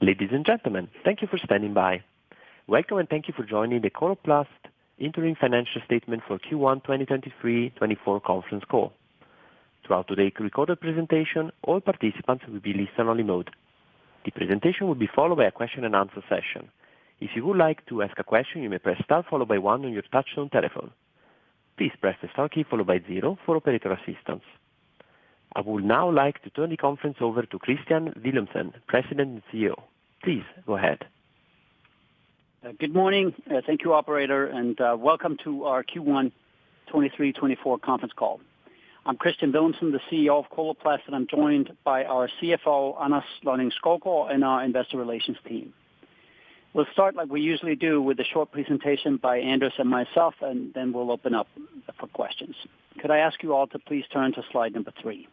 Ladies and gentlemen, thank you for standing by. Welcome, and thank you for joining the Coloplast Interim Financial Statement for Q1 2023/24 Conference Call. Throughout today's recorded presentation, all participants will be in listen-only mode. The presentation will be followed by a question-and-answer session. If you would like to ask a question, you may press star followed by one on your touchtone telephone. Please press the star key followed by zero for operator assistance. I would now like to turn the conference over to Kristian Villumsen, President and CEO. Please go ahead. Good morning. Thank you, operator, and Welcome To Our Q1 2023/2024 Conference Call. I'm Kristian Villumsen, the CEO of Coloplast, and I'm joined by our CFO, Anders Lønning-Skovgaard, and our investor relations team. We'll start like we usually do, with a short presentation by Anders and myself, and then we'll open up for questions. Could I ask you all to please turn to slide number 3?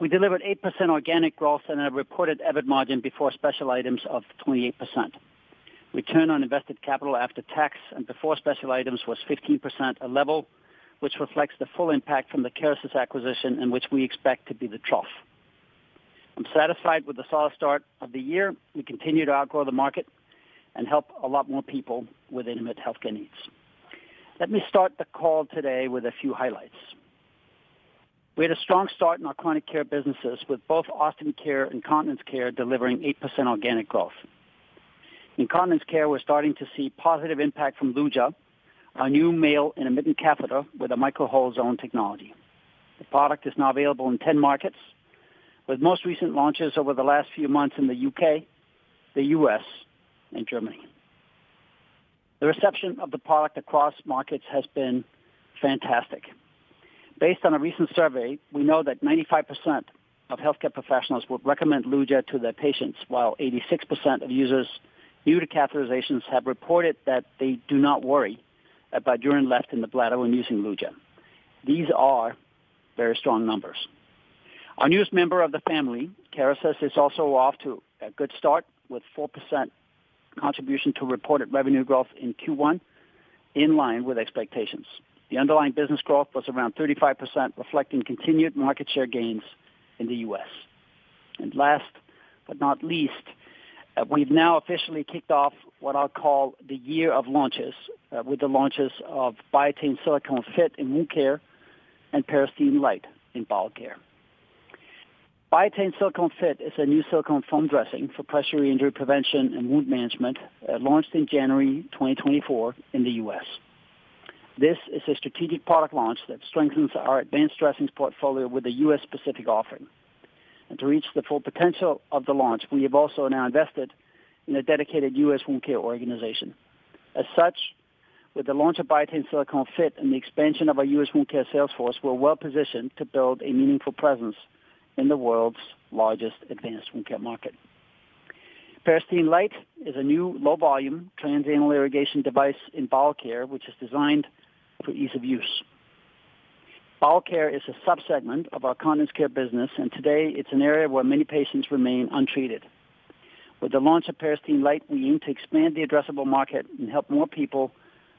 We delivered 8% organic growth and a reported EBIT margin before special items of 28%. Return on invested capital after tax and before special items was 15%, a level which reflects the full impact from the Kerecis acquisition and which we expect to be the trough. I'm satisfied with the solid start of the year. We continue to outgrow the market and help a lot more people with intimate healthcare needs. Let me start the call today with a few highlights. We had a strong start in our chronic care businesses, with both Ostomy Care and Continence Care delivering 8% organic growth. In Continence Care, we're starting to see positive impact from Luja, our new male intermittent catheter with a Micro-hole Zone Technology. The product is now available in 10 markets, with most recent launches over the last few months in the U.K., the U.S., and Germany. The reception of the product across markets has been fantastic. Based on a recent survey, we know that 95% of healthcare professionals would recommend Luja to their patients, while 86% of users new to catheterizations have reported that they do not worry about urine left in the bladder when using Luja. These are very strong numbers. Our newest member of the family, Kerecis, is also off to a good start, with 4% contribution to reported revenue growth in Q1, in line with expectations. The underlying business growth was around 35%, reflecting continued market share gains in the U.S. And last but not least, we've now officially kicked off what I'll call the year of launches, with the launches of Biatain Silicone Fit in wound care and Peristeen Light in Bowel Care. Biatain Silicone Fit is a new silicone foam dressing for pressure injury prevention and wound management, launched in January 2024 in the U.S. This is a strategic product launch that strengthens our advanced dressings portfolio with a U.S.-specific offering. And to reach the full potential of the launch, we have also now invested in a dedicated U.S. wound care organization. As such, with the launch of Biatain Silicone Fit and the expansion of our US wound care sales force, we're well-positioned to build a meaningful presence in the world's largest Advanced Wound Care market. Peristeen Light is a new low-volume transanal irrigation device in Bowel Care, which is designed for ease of use. Bowel care is a subsegment of our continence care business, and today it's an area where many patients remain untreated. With the launch of Peristeen Light, we aim to expand the addressable market and help more people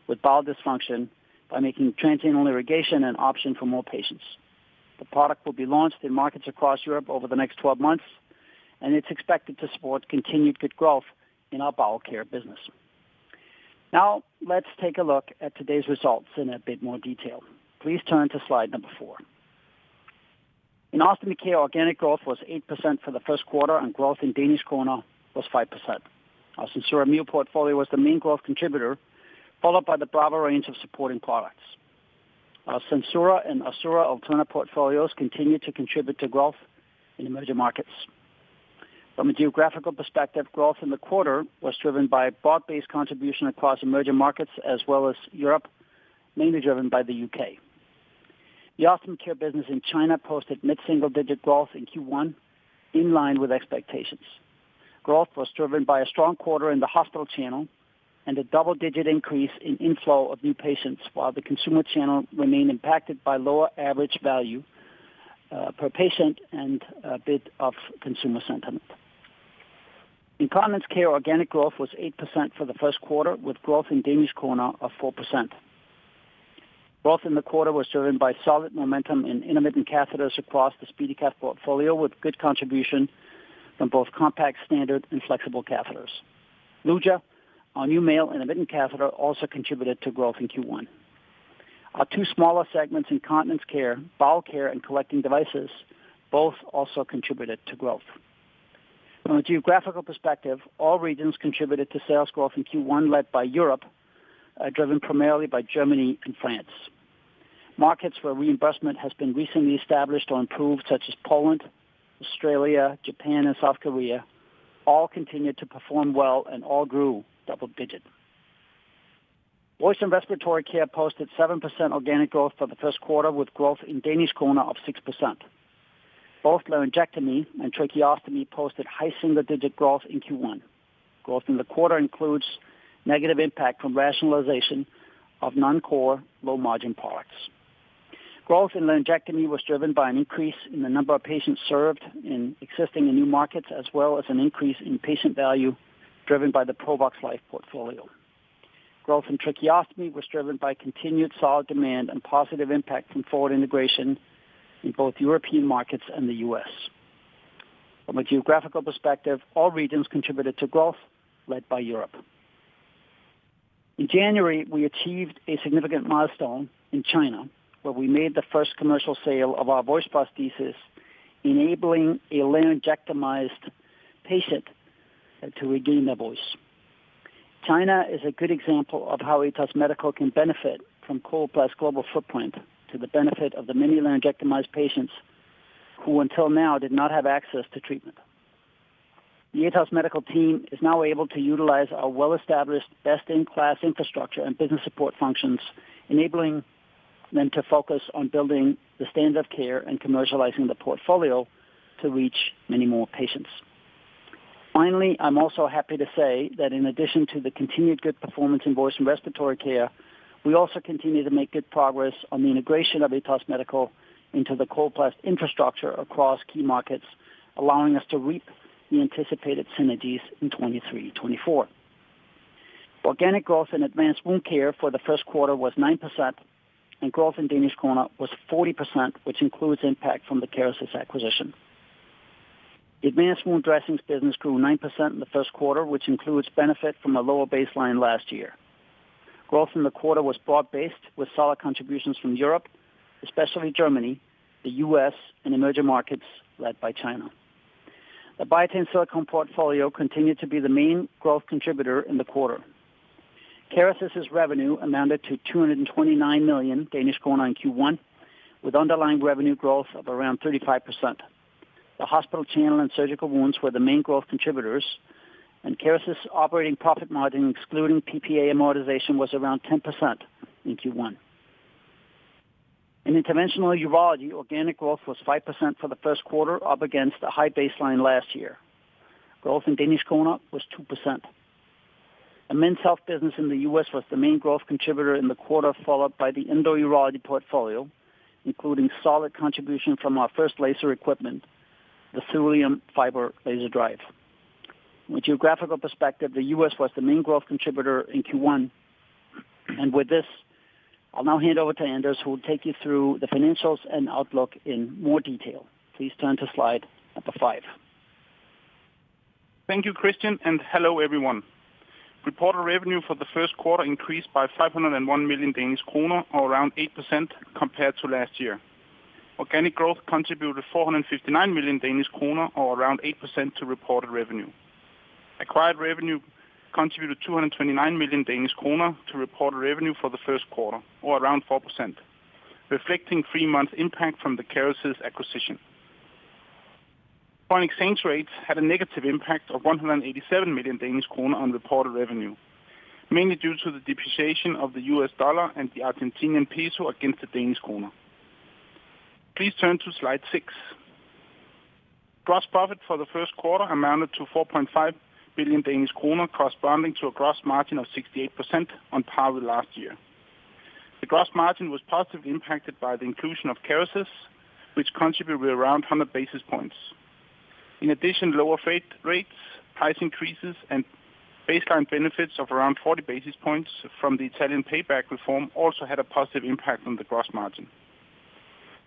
with bowel dysfunction by making transanal irrigation an option for more patients. The product will be launched in markets across Europe over the next 12 months, and it's expected to support continued good growth in our Bowel Care business. Now, let's take a look at today's results in a bit more detail. Please turn to slide number 4. In Ostomy Care, organic growth was 8% for the Q1, and growth in Danish kroner was 5%. Our Sensura Mio portfolio was the main growth contributor, followed by the Brava range of supporting products. Our Sensura and Assura Alterna portfolios continued to contribute to growth in emerging markets. From a geographical perspective, growth in the quarter was driven by broad-based contribution across emerging markets as well as Europe, mainly driven by the U.K. The Ostomy Care business in China posted mid-single-digit growth in Q1, in line with expectations. Growth was driven by a strong quarter in the hospital channel and a double-digit increase in inflow of new patients, while the consumer channel remained impacted by lower average value per patient and a bit of consumer sentiment. In Continence Care, organic growth was 8% for the Q1, with growth in Danish kroner of 4%. Growth in the quarter was driven by solid momentum in intermittent catheters across the SpeediCath portfolio, with good contribution from both compact, standard, and flexible catheters. Luja, our new male intermittent catheter, also contributed to growth in Q1. Our two smaller segments in continence care, Bowel Care, and Collecting Devices, both also contributed to growth. From a geographical perspective, all regions contributed to sales growth in Q1, led by Europe, driven primarily by Germany and France. Markets where reimbursement has been recently established or improved, such as Poland, Australia, Japan, and South Korea, all continued to perform well and all grew double digits. Voice and Respiratory Care posted 7% organic growth for the Q1, with growth in Danish kroner of 6%. Both laryngectomy and tracheostomy posted high single-digit growth in Q1. Growth in the quarter includes negative impact from rationalization of non-core, low-margin products. Growth in laryngectomy was driven by an increase in the number of patients served in existing and new markets, as well as an increase in patient value driven by the Provox Life portfolio. Growth in tracheostomy was driven by continued solid demand and positive impact from forward integration in both European markets and the US. From a geographical perspective, all regions contributed to growth led by Europe. In January, we achieved a significant milestone in China, where we made the first commercial sale of our voice prosthesis, enabling a laryngectomized patient to regain their voice. China is a good example of how Atos Medical can benefit from Coloplast global footprint to the benefit of the many laryngectomized patients, who until now did not have access to treatment. The Atos Medical team is now able to utilize our well-established, best-in-class infrastructure and business support functions, enabling them to focus on building the standard of care and commercializing the portfolio to reach many more patients. Finally, I'm also happy to say that in addition to the continued good performance in voice and respiratory care, we also continue to make good progress on the integration of Atos Medical into the Coloplast infrastructure across key markets, allowing us to reap the anticipated synergies in 2023, 2024. Organic growth in Advanced Wound Care for the Q1 was 9%, and growth in Danish kroner was 40%, which includes impact from the Kerecis acquisition. Advanced Wound Dressings business grew 9% in the Q1, which includes benefit from a lower baseline last year. Growth in the quarter was broad-based, with solid contributions from Europe, especially Germany, the U.S., and emerging markets, led by China. The Biatain silicone portfolio continued to be the main growth contributor in the quarter. Kerecis's revenue amounted to 229 million Danish kroner in Q1, with underlying revenue growth of around 35%. The hospital channel and surgical wounds were the main growth contributors, and Kerecis operating profit margin, excluding PPA amortization, was around 10% in Q1. In Interventional Urology, organic growth was 5% for the Q1, up against a high baseline last year. Growth in Danish kroner was 2%. The Men's Health business in the U.S. was the main growth contributor in the quarter, followed by the Endourology portfolio, including solid contribution from our first laser equipment, the Thulium Fiber Laser. With geographical perspective, the U.S. was the main growth contributor in Q1, and with this, I'll now hand over to Anders, who will take you through the financials and outlook in more detail. Please turn to slide number five. Thank you, Kristian, and hello, everyone. Reported revenue for the Q1 increased by 501 million Danish kroner, or around 8% compared to last year. Organic growth contributed 459 million Danish kroner, or around 8% to reported revenue. Acquired revenue contributed 229 million Danish kroner to reported revenue for the Q1, or around 4%, reflecting three months impact from the Kerecis acquisition. Foreign exchange rates had a negative impact of 187 million Danish kroner on reported revenue, mainly due to the depreciation of the US dollar and the Argentine peso against the Danish kroner. Please turn to slide 6. Gross profit for the Q1 amounted to 4.5 billion Danish kroner, corresponding to a gross margin of 68% on par with last year. The gross margin was positively impacted by the inclusion of Kerecis, which contributed around 100 basis points. In addition, lower freight rates, price increases and baseline benefits of around 40 basis points from the Italian payback reform also had a positive impact on the gross margin.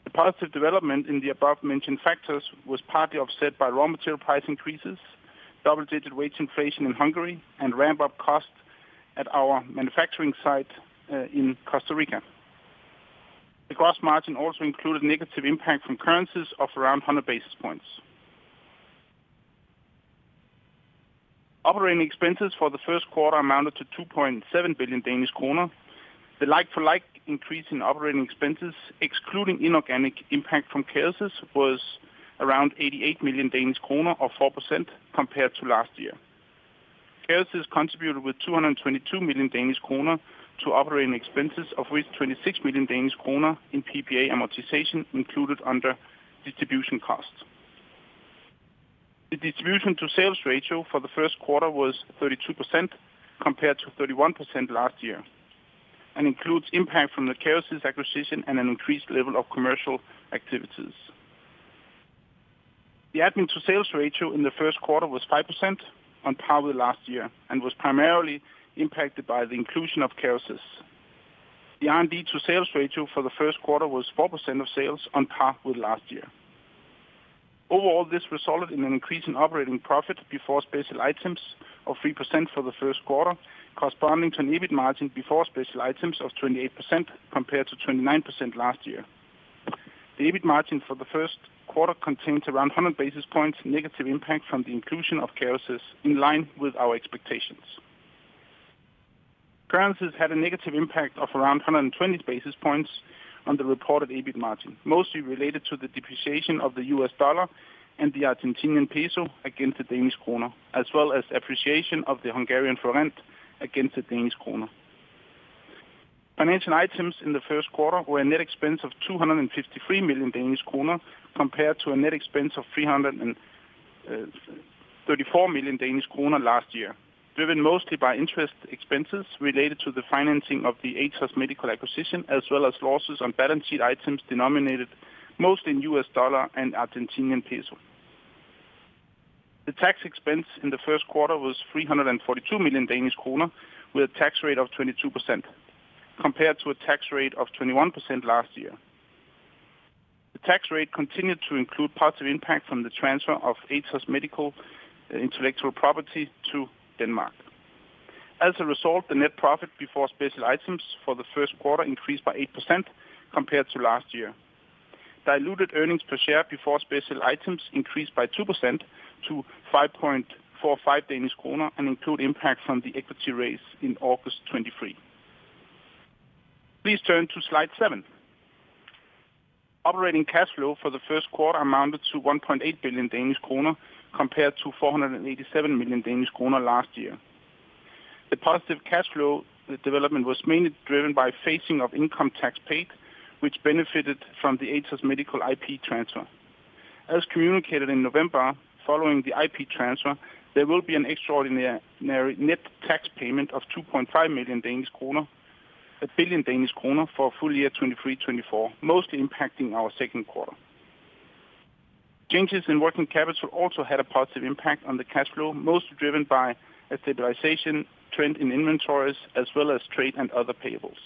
The positive development in the above-mentioned factors was partly offset by raw material price increases, double-digit wage inflation in Hungary, and ramp-up costs at our manufacturing site, in Costa Rica. The gross margin also included negative impact from currencies of around 100 basis points. Operating expenses for the Q1 amounted to 2.7 billion Danish kroner. The like-for-like increase in operating expenses, excluding inorganic impact from Kerecis, was around 88 million Danish kroner, or 4% compared to last year. Kerecis contributed with 222 million Danish kroner to operating expenses, of which 26 million Danish kroner in PPA amortization included under distribution costs. The distribution to sales ratio for the Q1 was 32%, compared to 31% last year, and includes impact from the Kerecis acquisition and an increased level of commercial activities. The admin to sales ratio in the Q1 was 5% on par with last year and was primarily impacted by the inclusion of Kerecis. The R&D to sales ratio for the Q1 was 4% of sales on par with last year. Overall, this resulted in an increase in operating profit before special items of 3% for the Q1, corresponding to an EBIT margin before special items of 28%, compared to 29% last year. The EBIT margin for the Q1 contained around 100 basis points negative impact from the inclusion of Kerecis, in line with our expectations. Currencies had a negative impact of around 120 basis points on the reported EBIT margin, mostly related to the depreciation of the U.S. dollar and the Argentine peso against the Danish kroner, as well as appreciation of the Hungarian forint against the Danish kroner. Financial items in the Q1 were a net expense of 253 million Danish kroner, compared to a net expense of 334 million Danish kroner last year, driven mostly by interest expenses related to the financing of the Atos Medical acquisition, as well as losses on balance sheet items denominated mostly in U.S. dollar and Argentine peso. The tax expense in the Q1 was 342 million Danish kroner, with a tax rate of 22%, compared to a tax rate of 21% last year. The tax rate continued to include positive impact from the transfer of Atos Medical intellectual property to Denmark. As a result, the net profit before special items for the Q1 increased by 8% compared to last year. Diluted earnings per share before special items increased by 2% to 5.45 Danish kroner and include impact from the equity raise in August 2023. Please turn to slide 7. Operating cash flow for the Q1 amounted to 1.8 billion Danish kroner, compared to 487 million Danish kroner last year. The positive cash flow, the development was mainly driven by phasing of income tax paid, which benefited from the Atos Medical IP transfer. As communicated in November, following the IP transfer, there will be an extraordinary net tax payment of 2.5 million Danish kroner - 1 billion Danish kroner for full year 2023-2024, mostly impacting our Q2. Changes in working capital also had a positive impact on the cash flow, mostly driven by a stabilization trend in inventories as well as trade and other payables.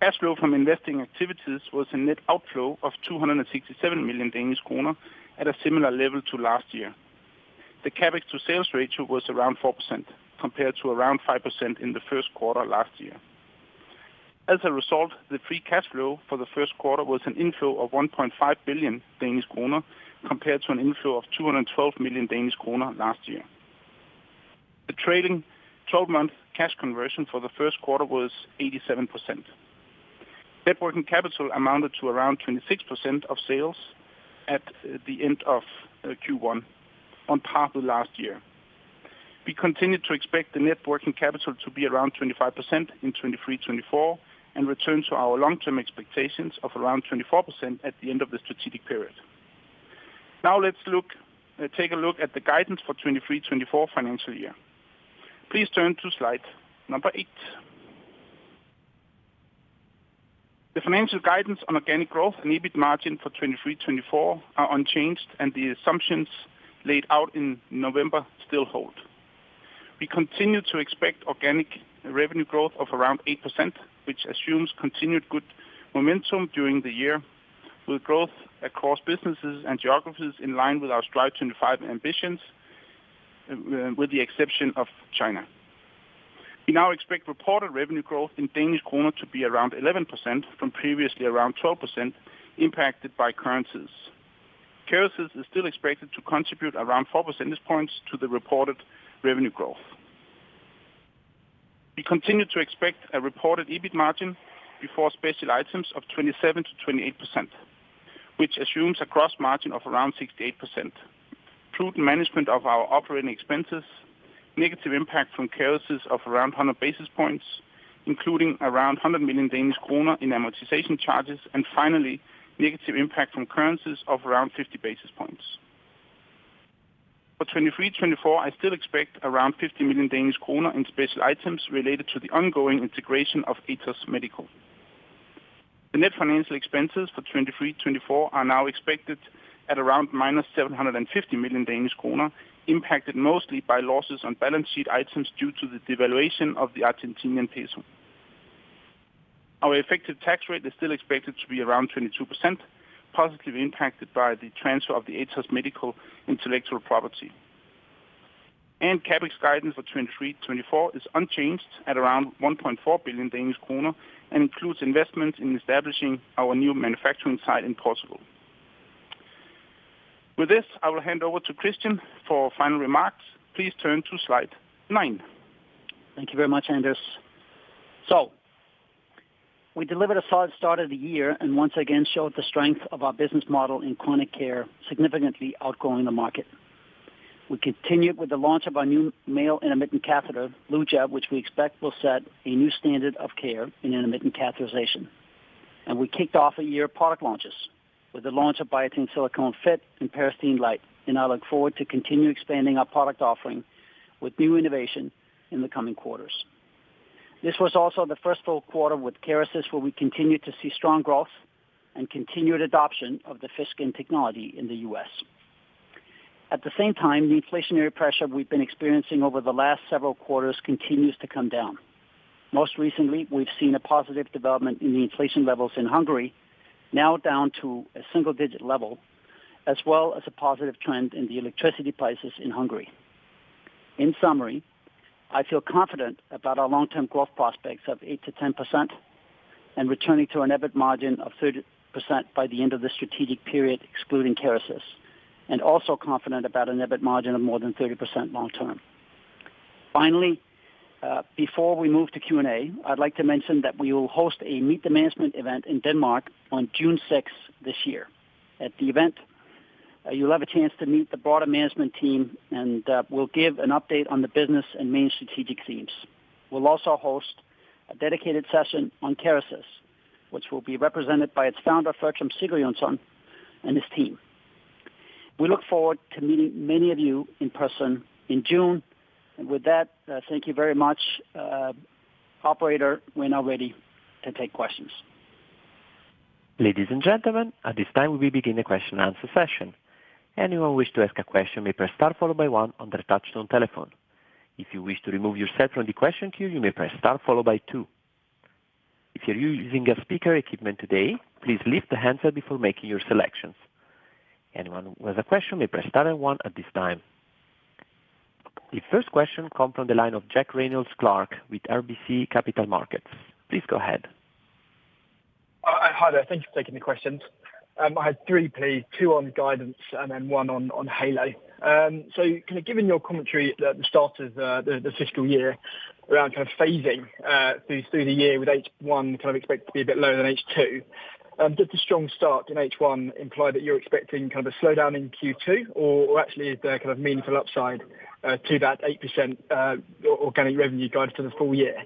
Cash flow from investing activities was a net outflow of 267 million Danish kroner at a similar level to last year. The CapEx to sales ratio was around 4%, compared to around 5% in the Q1 last year. As a result, the free cash flow for the Q1 was an inflow of 1.5 billion Danish kroner, compared to an inflow of 212 million Danish kroner last year. The trailing twelve-month cash conversion for the Q1 was 87%. Net working capital amounted to around 26% of sales at the end of Q1, on par with last year. We continue to expect the net working capital to be around 25% in 2023, 2024, and return to our long-term expectations of around 24% at the end of the strategic period. Now let's look, take a look at the guidance for 2023-2024 financial year. Please turn to slide number 8. The financial guidance on organic growth and EBIT margin for 2023-2024 are unchanged, and the assumptions laid out in November still hold. We continue to expect organic revenue growth of around 8%, which assumes continued good momentum during the year, with growth across businesses and geographies in line with our Strive 25 ambitions, with the exception of China. We now expect reported revenue growth in Danish kroner to be around 11% from previously around 12%, impacted by currencies. Kerecis is still expected to contribute around 4 percentage points to the reported revenue growth. We continue to expect a reported EBIT margin before special items of 27%-28%, which assumes a cross margin of around 68%. Prudent management of our operating expenses, negative impact from Kerecis of around 100 basis points, including around 100 million Danish kroner in amortization charges, and finally, negative impact from currencies of around 50 basis points. For 2023, 2024, I still expect around 50 million Danish kroner in special items related to the ongoing integration of Atos Medical. The net financial expenses for 2023, 2024 are now expected at around minus 750 million Danish kroner, impacted mostly by losses on balance sheet items due to the devaluation of the Argentine peso. Our effective tax rate is still expected to be around 22%, positively impacted by the transfer of the Atos Medical intellectual property. CapEx guidance for 2023, 2024 is unchanged at around 1.4 billion Danish kroner, and includes investment in establishing our new manufacturing site in Portugal. With this, I will hand over to Kristian for final remarks. Please turn to slide 9. Thank you very much, Anders. So we delivered a solid start of the year and once again showed the strength of our business model in chronic care, significantly outgrowing the market. We continued with the launch of our new male intermittent catheter, Luja, which we expect will set a new standard of care in intermittent catheterization. And we kicked off a year of product launches with the launch of Biatain Silicone Fit and Peristeen Light, and I look forward to continue expanding our product offering with new innovation in the coming quarters. This was also the first full quarter with Kerecis, where we continued to see strong growth and continued adoption of the fish skin technology in the U.S. At the same time, the inflationary pressure we've been experiencing over the last several quarters continues to come down. Most recently, we've seen a positive development in the inflation levels in Hungary, now down to a single-digit level, as well as a positive trend in the electricity prices in Hungary. In summary, I feel confident about our long-term growth prospects of 8%-10% and returning to an EBIT margin of 30% by the end of the strategic period, excluding Kerecis, and also confident about an EBIT margin of more than 30% long term. Finally, before we move to Q&A, I'd like to mention that we will host a Meet the Management event in Denmark on June sixth this year. At the event, you'll have a chance to meet the broader management team, and we'll give an update on the business and main strategic themes. We'll also host a dedicated session on Kerecis, which will be represented by its founder, Fertram Sigurjonsson, and his team. We look forward to meeting many of you in person in June. And with that, thank you very much, operator. We're now ready to take questions. Ladies and gentlemen, at this time, we will begin the question and answer session. Anyone who wish to ask a question may press star followed by one on their touchtone telephone. If you wish to remove yourself from the question queue, you may press star followed by two. If you're using a speaker equipment today, please lift the handset before making your selections. Anyone with a question may press star and one at this time. The first question comes from the line of Jack Reynolds-Clark with RBC Capital Markets. Please go ahead. Hi there. Thank you for taking the questions. I had three, please, two on guidance and then one on Halo. So can you give him your commentary at the start of the fiscal year around kind of phasing through the year with H I kind of expected to be a bit lower than H II? Does the strong start in H I imply that you're expecting kind of a slowdown in Q2, or actually is there kind of meaningful upside to that 8% organic revenue guidance for the full year?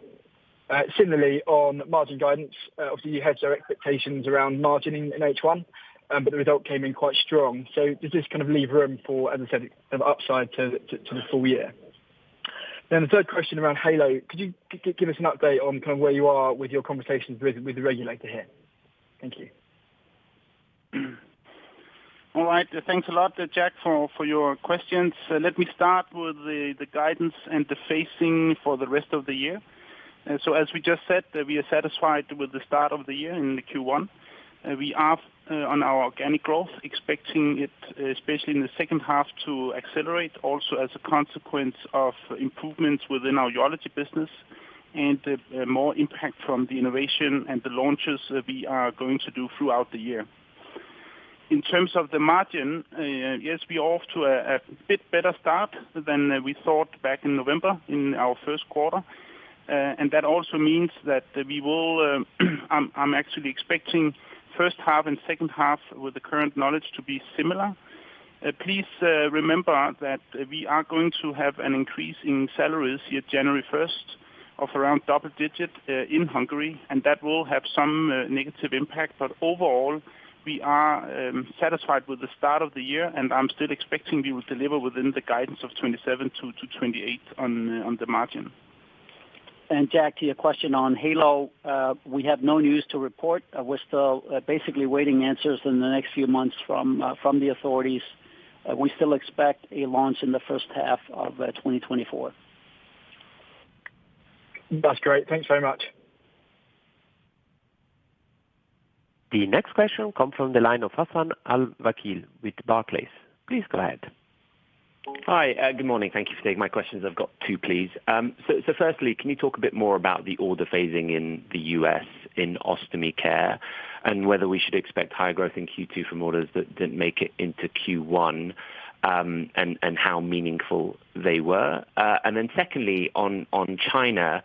Similarly, on margin guidance, obviously, you had your expectations around margining in H I, but the result came in quite strong. So does this kind of leave room for, as I said, an upside to the full year? The third question around Halo: Could you give us an update on kind of where you are with your conversations with the regulator here? Thank you. All right. Thanks a lot, Jack, for your questions. Let me start with the guidance and the phasing for the rest of the year. So as we just said, we are satisfied with the start of the year in the Q1. We are on our organic growth, expecting it, especially in the second half, to accelerate also as a consequence of improvements within our urology business and more impact from the innovation and the launches that we are going to do throughout the year. In terms of the margin, yes, we're off to a bit better start than we thought back in November in our Q1. And that also means that we will, I'm actually expecting first half and second half with the current knowledge to be similar. Please, remember that we are going to have an increase in salaries here, January first, of around double-digit, in Hungary, and that will have some negative impact. But overall, we are satisfied with the start of the year, and I'm still expecting we will deliver within the guidance of 27-28 on the margin. And Jack, to your question on Halo, we have no news to report. We're still, basically waiting answers in the next few months from, from the authorities. We still expect a launch in the first half of 2024. That's great. Thanks very much. The next question comes from the line of Hassan Al-Wakeel with Barclays. Please go ahead. Hi. Good morning. Thank you for taking my questions. I've got two, please. So firstly, can you talk a bit more about the order phasing in the U.S. in Ostomy Care, and whether we should expect higher growth in Q2 from orders that didn't make it into Q1, and how meaningful they were? And then secondly, on China,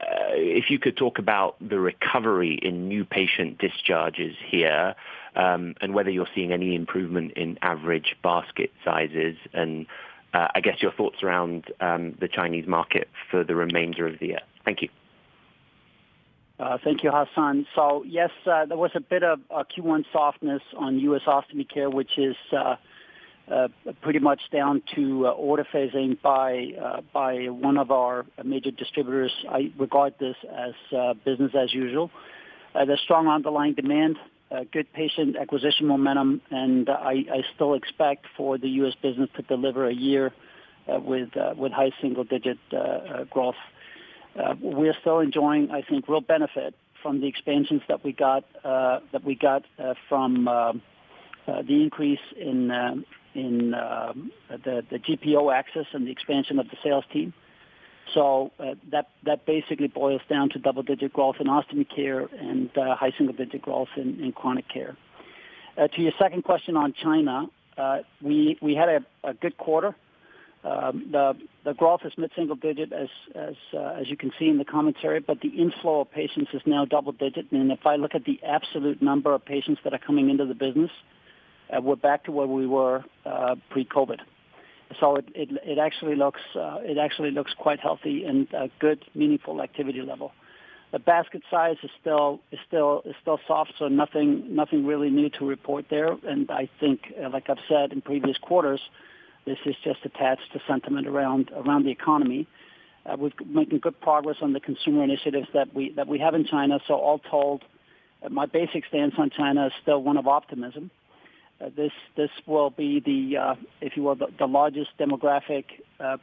if you could talk about the recovery in new patient discharges here, and whether you're seeing any improvement in average basket sizes, and I guess your thoughts around the Chinese market for the remainder of the year. Thank you. Thank you, Hassan. So yes, there was a bit of Q1 softness on US Ostomy Care, which is pretty much down to order phasing by one of our major distributors. I regard this as business as usual. There's strong underlying demand, good patient acquisition momentum, and I still expect for the US business to deliver a year with high single-digit growth. We are still enjoying, I think, real benefit from the expansions that we got from the increase in the GPO access and the expansion of the sales team. So, that basically boils down to double-digit growth in Ostomy Care and high single-digit growth in Chronic Care. To your second question on China, we had a good quarter. The growth is mid-single-digit, as you can see in the commentary, but the inflow of patients is now double-digit. And if I look at the absolute number of patients that are coming into the business, we're back to where we were pre-COVID. So it actually looks quite healthy and a good meaningful activity level. The basket size is still soft, so nothing really new to report there. And I think, like I've said in previous quarters, this is just attached to sentiment around the economy. We're making good progress on the consumer initiatives that we have in China. So all told, my basic stance on China is still one of optimism. This will be, if you will, the largest demographic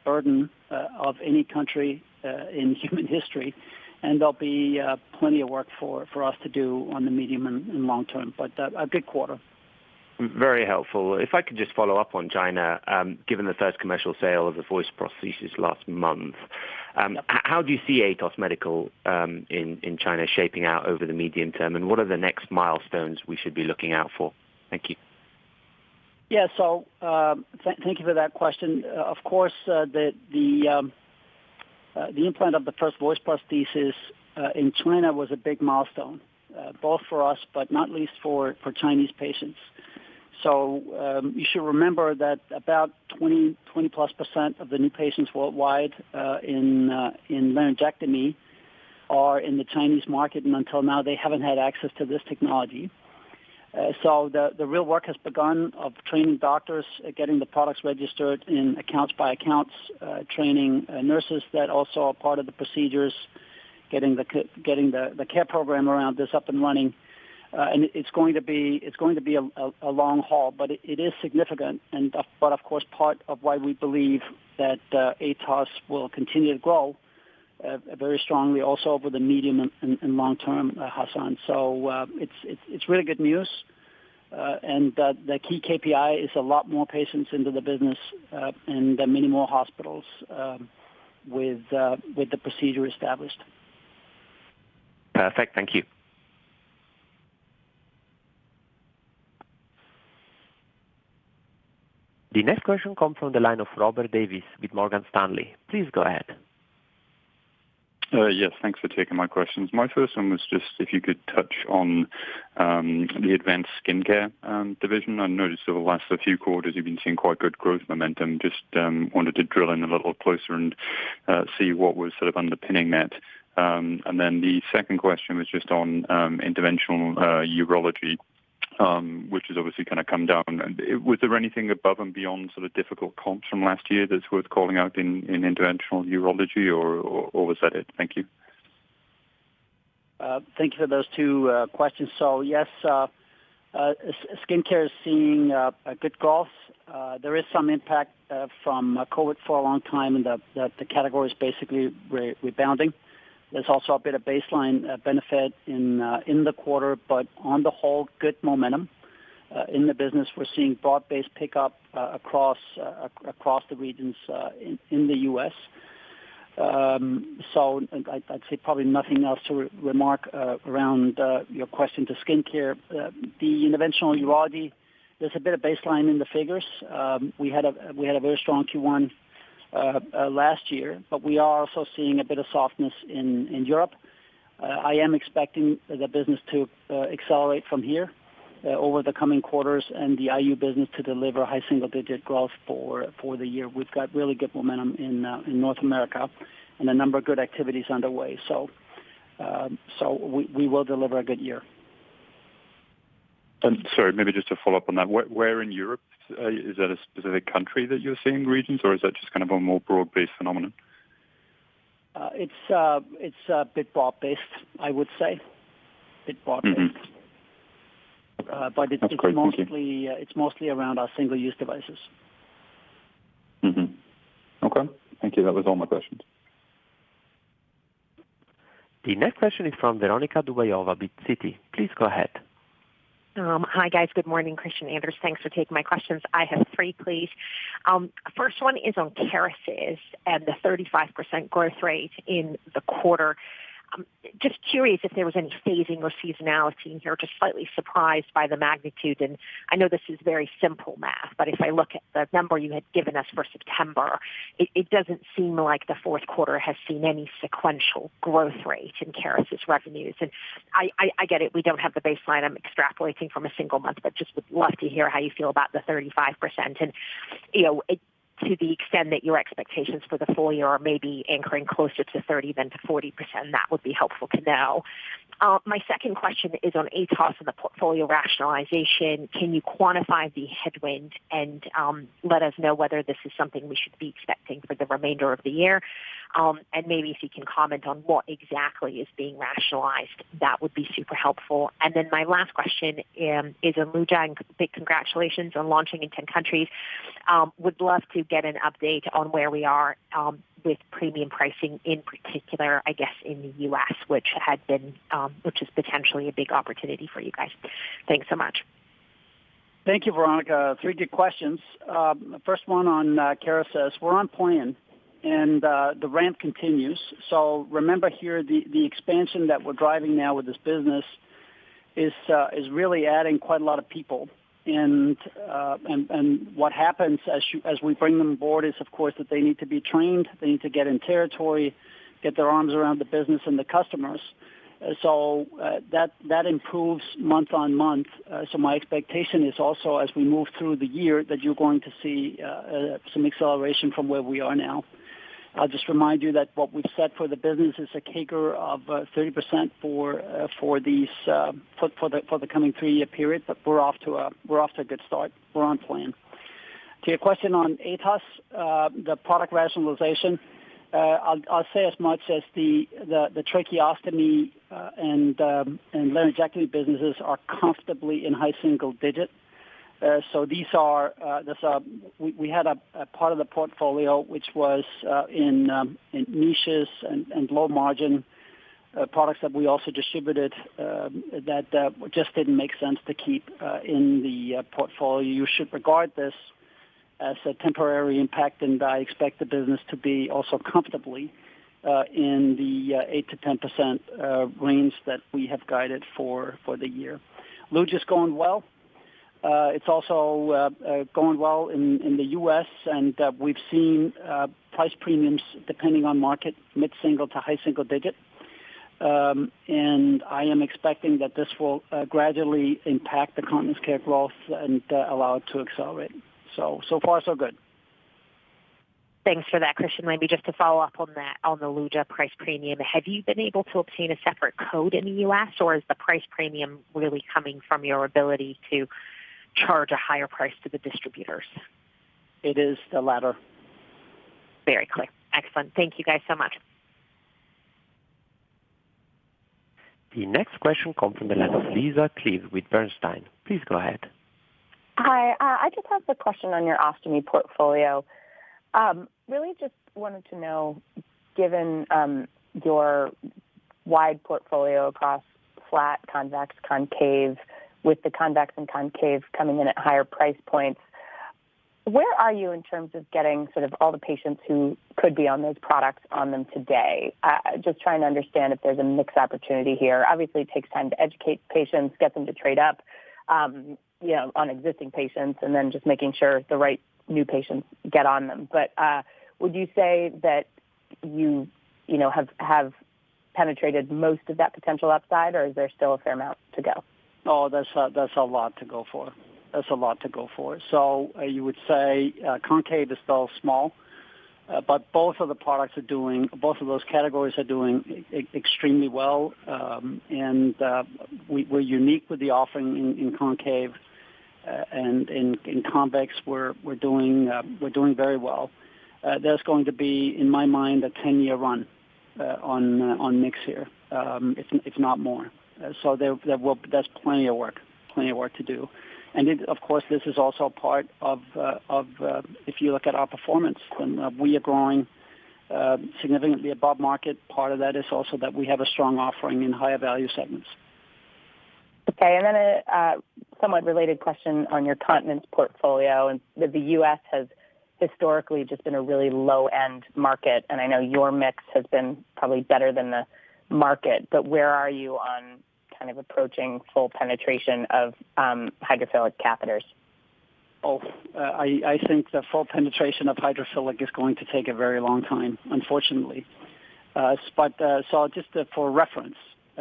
burden of any country in human history, and there'll be plenty of work for us to do on the medium and long term, but a good quarter. Very helpful. If I could just follow up on China, given the first commercial sale of the voice prosthesis last month, how do you see Atos Medical in China shaping out over the medium term, and what are the next milestones we should be looking out for? Thank you. Yeah. So, thank you for that question. Of course, the implant of the first voice prosthesis in China was a big milestone, both for us, but not least for Chinese patients. So, you should remember that about 20, 20-plus% of the new patients worldwide in laryngectomy are in the Chinese market, and until now, they haven't had access to this technology. So the real work has begun of training doctors, getting the products registered in accounts by accounts, training nurses that also are part of the procedures, getting the care program around this up and running. And it's going to be a long haul, but it is significant. But of course, part of why we believe that Atos will continue to grow very strongly also over the medium and long term, Hassan. So, it's really good news, and the key KPI is a lot more patients into the business, and then many more hospitals with the procedure established. Perfect. Thank you. The next question comes from the line of Robert Davies with Morgan Stanley. Please go ahead. Yes, thanks for taking my questions. My first one was just if you could touch on the advanced Skin Care division. I noticed over the last few quarters, you've been seeing quite good growth momentum. Just wanted to drill in a little closer and see what was sort of underpinning that. And then the second question was just on interventional urology, which has obviously kind of come down. Was there anything above and beyond sort of difficult comps from last year that's worth calling out in interventional urology, or was that it? Thank you. Thank you for those two questions. So, yes, skincare is seeing a good growth. There is some impact from COVID for a long time, and the category is basically rebounding. There's also a bit of baseline benefit in the quarter, but on the whole, good momentum in the business. We're seeing broad-based pickup across the regions in the US. So I'd say probably nothing else to remark around your question to skincare. The interventional urology, there's a bit of baseline in the figures. We had a very strong Q1 last year, but we are also seeing a bit of softness in Europe. I am expecting the business to accelerate from here over the coming quarters and the IU business to deliver high single digit growth for the year. We've got really good momentum in North America and a number of good activities underway. So we will deliver a good year. Sorry, maybe just to follow up on that, where, where in Europe? Is that a specific country that you're seeing regions, or is that just kind of a more broad-based phenomenon? It's a bit broad-based, I would say, a bit broad-based. Mm-hmm. but it's mostly- That's great. Thank you. It's mostly around our single-use devices. Mm-hmm. Okay. Thank you. That was all my questions. The next question is from Veronika Dubajová with Citi. Please go ahead. Hi, guys. Good morning, Kristian, Anders. Thanks for taking my questions. I have three, please. First one is on Kerecis and the 35% growth rate in the quarter. Just curious if there was any phasing or seasonality here, just slightly surprised by the magnitude. I know this is very simple math, but if I look at the number you had given us for September, it doesn't seem like the Q4 has seen any sequential growth rate in Kerecis revenues. I get it, we don't have the baseline. I'm extrapolating from a single month, but just would love to hear how you feel about the 35%. You know, it to the extent that your expectations for the full year are maybe anchoring closer to 30% than to 40%, that would be helpful to know. My second question is on Atos and the portfolio rationalization. Can you quantify the headwind and let us know whether this is something we should be expecting for the remainder of the year? And maybe if you can comment on what exactly is being rationalized, that would be super helpful. Then my last question is on Luja. Big congratulations on launching in 10 countries. Would love to get an update on where we are with premium pricing, in particular, I guess, in the US, which is potentially a big opportunity for you guys. Thanks so much. Thank you, Veronika. Three good questions. First one on Kerecis. We're on plan, and the ramp continues. So remember here, the expansion that we're driving now with this business is really adding quite a lot of people. And what happens as we bring them on board is, of course, that they need to be trained, they need to get in territory, get their arms around the business and the customers. So that improves month on month. My expectation is also as we move through the year, that you're going to see some acceleration from where we are now. I'll just remind you that what we've said for the business is a CAGR of 30% for the coming three-year period, but we're off to a good start. We're on plan. To your question on Atos, the product rationalization, I'll say as much as the tracheostomy and laryngectomy businesses are comfortably in high single digits. So these are, that's we had a part of the portfolio which was in niches and low margin products that we also distributed, that just didn't make sense to keep in the portfolio. You should regard this as a temporary impact, and I expect the business to be also comfortably in the 8%-10% range that we have guided for the year. Luja is going well. It's also going well in the U.S., and we've seen price premiums, depending on market, mid-single-digit to high single-digit. And I am expecting that this will gradually impact the continence care growth and allow it to accelerate. So far, so good. ...Thanks for that, Kristian. Maybe just to follow up on that, on the Luja price premium, have you been able to obtain a separate code in the U.S., or is the price premium really coming from your ability to charge a higher price to the distributors? It is the latter. Very clear. Excellent. Thank you guys so much. The next question comes from the line of Lisa Clive with Bernstein. Please go ahead. Hi, I just have a question on your ostomy portfolio. Really just wanted to know, given your wide portfolio across flat, convex, concave, with the convex and concave coming in at higher price points, where are you in terms of getting sort of all the patients who could be on those products on them today? Just trying to understand if there's a mixed opportunity here. Obviously, it takes time to educate patients, get them to trade up, you know, on existing patients, and then just making sure the right new patients get on them. But, would you say that you you know have penetrated most of that potential upside, or is there still a fair amount to go? Oh, there's a lot to go for. There's a lot to go for. So you would say, concave is still small, but both of the products are doing—both of those categories are doing extremely well. And, we're unique with the offering in concave, and in convex, we're doing very well. There's going to be, in my mind, a ten-year run on mix here, if not more. So there will. That's plenty of work, plenty of work to do. And of course, this is also part of if you look at our performance, then we are growing significantly above market. Part of that is also that we have a strong offering in higher value segments. Okay. And then a somewhat related question on your continence portfolio, and the U.S. has historically just been a really low-end market, and I know your mix has been probably better than the market, but where are you on kind of approaching full penetration of hydrophilic catheters? I think the full penetration of hydrophilic is going to take a very long time, unfortunately. So just for reference,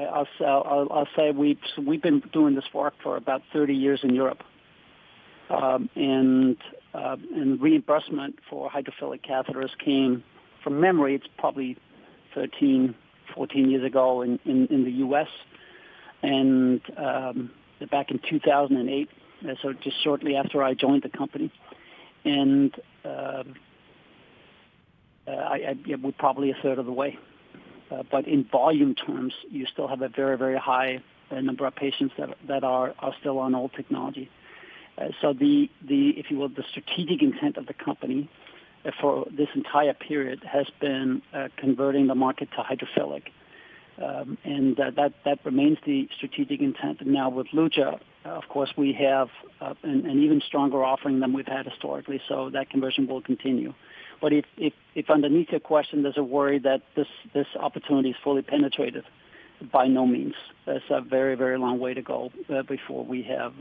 I'll say we've been doing this work for about 30 years in Europe. And reimbursement for hydrophilic catheters came, from memory, it's probably 13, 14 years ago in the U.S., and back in 2008, so just shortly after I joined the company. And we're probably a third of the way, but in volume terms, you still have a very, very high number of patients that are still on old technology. So the, if you will, the strategic intent of the company for this entire period has been converting the market to hydrophilic, and that remains the strategic intent. Now, with Luja, of course, we have an even stronger offering than we've had historically, so that conversion will continue. But if underneath your question, there's a worry that this opportunity is fully penetrated, by no means. There's a very, very long way to go before we have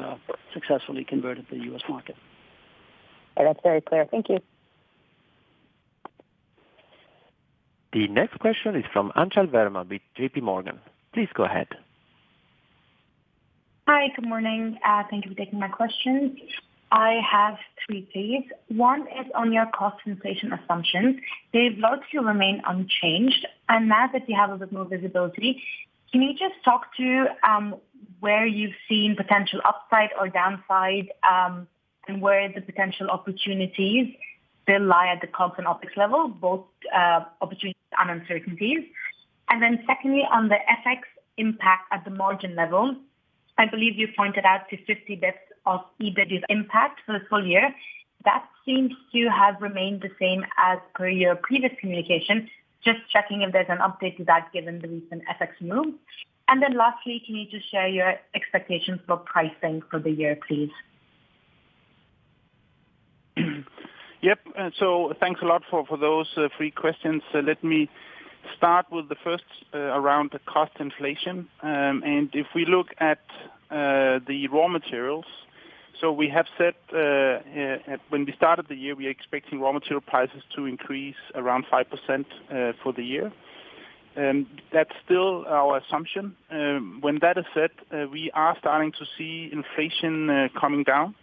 successfully converted the U.S. market. That's very clear. Thank you. The next question is from Anchal Verma with JPMorgan. Please go ahead. Hi, good morning. Thank you for taking my questions. I have three, please. One is on your cost inflation assumptions. They've looked to remain unchanged, and now that you have a bit more visibility, can you just talk to where you've seen potential upside or downside, and where the potential opportunities still lie at the cost and opex level, both opportunities and uncertainties? And then secondly, on the FX impact at the margin level, I believe you pointed out to 50 basis points of EBIT impact for the full year. That seems to have remained the same as per your previous communication. Just checking if there's an update to that, given the recent FX move. And then lastly, can you just share your expectations for pricing for the year, please? Yep. So thanks a lot for, for those three questions. Let me start with the first, around the cost inflation. And if we look at the raw materials, so we have said, when we started the year, we are expecting raw material prices to increase around 5%, for the year. That's still our assumption. When that is set, we are starting to see inflation coming down.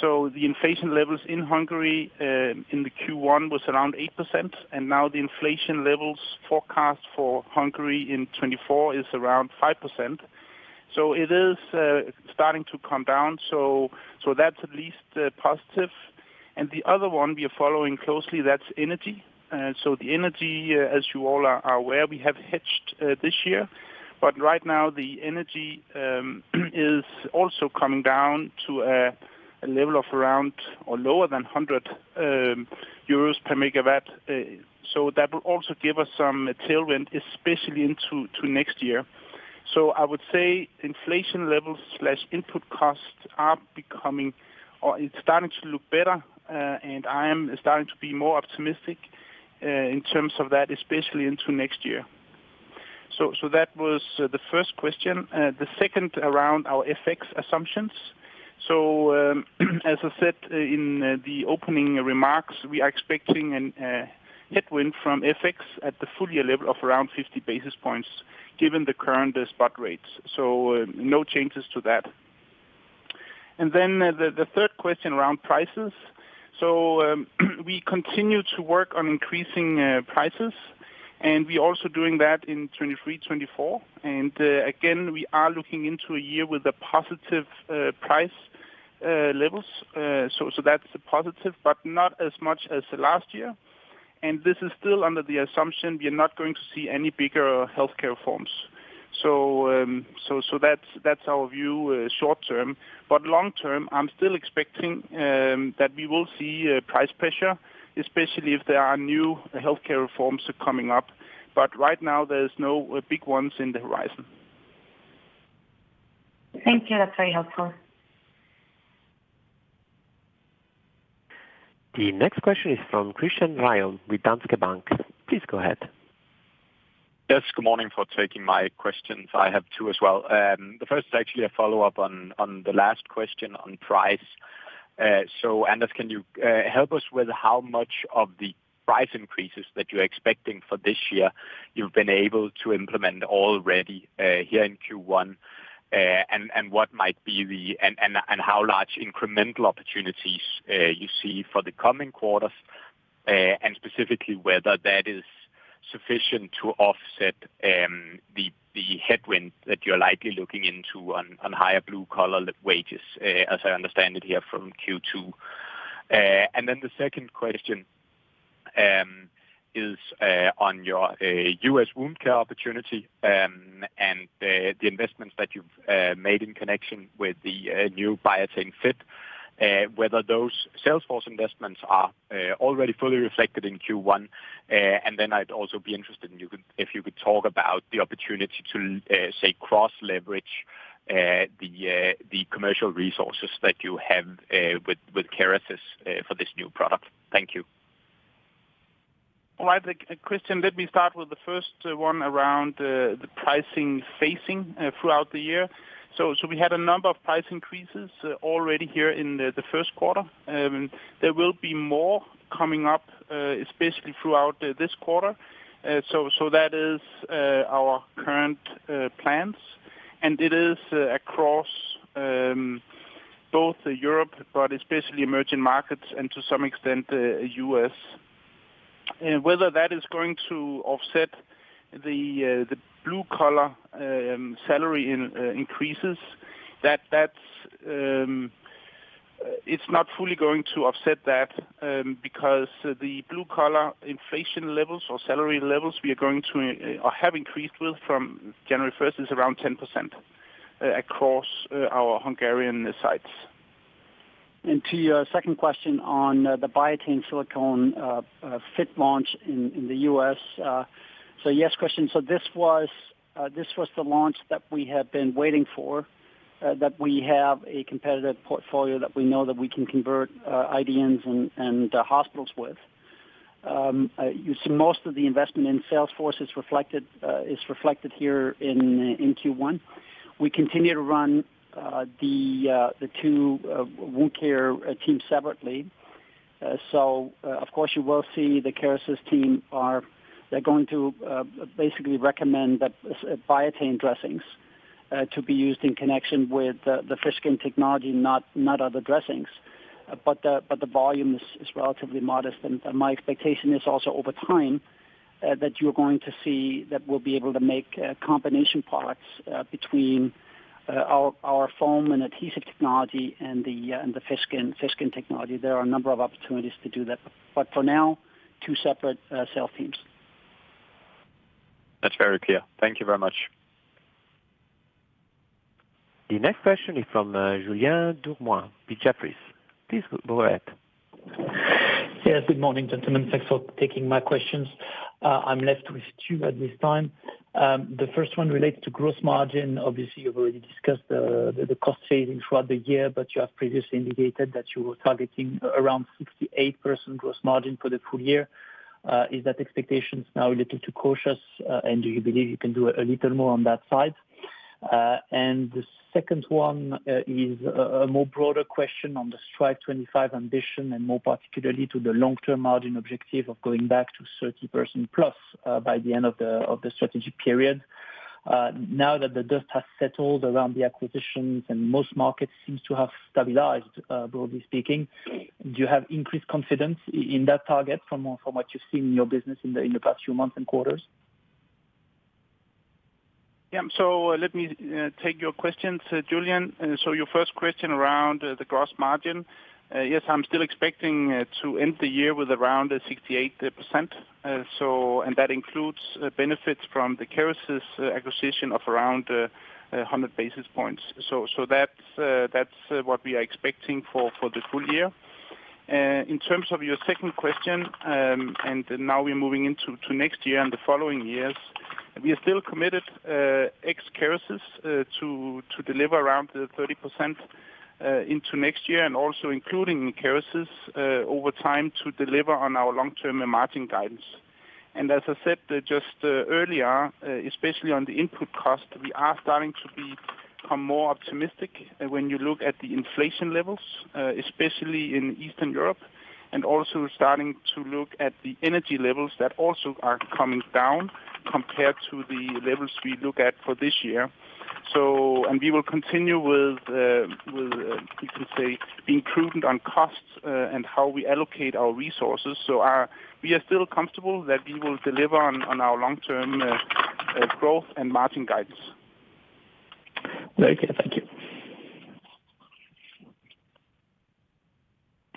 So the inflation levels in Hungary, in the Q1 was around 8%, and now the inflation levels forecast for Hungary in 2024 is around 5%. So it is starting to come down, so that's at least positive. And the other one we are following closely, that's energy. So the energy, as you all are, are aware, we have hedged this year, but right now the energy is also coming down to a level of around or lower than 100 euros per megawatt. So that will also give us some tailwind, especially into to next year. So I would say inflation levels/input costs are becoming, or it's starting to look better, and I am starting to be more optimistic in terms of that, especially into next year. So that was the first question. The second around our FX assumptions. So, as I said in the opening remarks, we are expecting a headwind from FX at the full year level of around 50 basis points, given the current spot rates. So no changes to that. ...And then, the third question around prices. We continue to work on increasing prices, and we're also doing that in 2023, 2024. Again, we are looking into a year with positive price levels. So, that's a positive, but not as much as last year. This is still under the assumption we are not going to see any bigger healthcare reforms. So, that's our view short term. But long term, I'm still expecting that we will see price pressure, especially if there are new healthcare reforms coming up. But right now there's no big ones in the horizon. Thank you. That's very helpful. The next question is from Christian Ryom with Danske Bank. Please go ahead. Yes, good morning for taking my questions. I have two as well. The first is actually a follow-up on the last question on price. So, Anders, can you help us with how much of the price increases that you're expecting for this year, you've been able to implement already, here in Q1? And how large incremental opportunities you see for the coming quarters, and specifically whether that is sufficient to offset the headwind that you're likely looking into on higher blue collar wages, as I understand it, here from Q2. And then the second question is on your U.S. wound care opportunity, and the investments that you've made in connection with the new Biatain Fit, whether those sales force investments are already fully reflected in Q1. And then I'd also be interested if you could talk about the opportunity to say cross-leverage the commercial resources that you have with Kerecis for this new product. Thank you. All right, Christian, let me start with the first one around the pricing facing throughout the year. So we had a number of price increases already here in the Q1. There will be more coming up, especially throughout this quarter. So that is our current plans, and it is across both Europe, but especially emerging markets and to some extent US. Whether that is going to offset the the blue collar salary increases, that's not fully going to offset that, because the blue collar inflation levels or salary levels we are going to or have increased with from January first is around 10%, across our Hungarian sites. To your second question on the Biatain Silicone Fit launch in the US. Yes, Christian, this was the launch that we have been waiting for, that we have a competitive portfolio that we know that we can convert IDNs and hospitals with. You see, most of the investment in sales force is reflected here in Q1. We continue to run the two wound care teams separately. So, of course, you will see the Kerecis team. They're going to basically recommend that Biatain dressings to be used in connection with the fish skin technology, not other dressings. But the volume is relatively modest, and my expectation is also over time that you're going to see that we'll be able to make combination products between our foam and adhesive technology and the fish skin technology. There are a number of opportunities to do that, but for now, two separate sales teams. That's very clear. Thank you very much. The next question is from Julian Roberts, Jefferies. Please go ahead. Yes, good morning, gentlemen. Thanks for taking my questions. I'm left with two at this time. The first one relates to gross margin. Obviously, you've already discussed the, the cost saving throughout the year, but you have previously indicated that you were targeting around 68% gross margin for the full year. Is that expectation now a little too cautious, and do you believe you can do a little more on that side? And the second one is a more broader question on the Strive 25 ambition, and more particularly to the long-term margin objective of going back to 30%+, by the end of the, of the strategic period. Now that the dust has settled around the acquisitions and most markets seems to have stabilized, broadly speaking, do you have increased confidence in that target from what, from what you've seen in your business in the past few months and quarters? Yeah. So let me take your question to Julian. So your first question around the gross margin. Yes, I'm still expecting to end the year with around 68%. So, and that includes benefits from the Kerecis acquisition of around 100 basis points. So that's what we are expecting for the full year. In terms of your second question, and now we're moving into next year and the following years, we are still committed ex Kerecis to deliver around the 30% into next year, and also including Kerecis over time to deliver on our long-term margin guidance. As I said, just earlier, especially on the input cost, we are starting to become more optimistic when you look at the inflation levels, especially in Eastern Europe.... and also starting to look at the energy levels that also are coming down compared to the levels we look at for this year. So, and we will continue with, you could say, being prudent on costs, and how we allocate our resources. So, we are still comfortable that we will deliver on our long-term growth and margin guidance. Very good. Thank you.